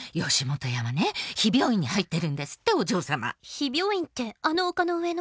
「避病院ってあの丘の上の？」。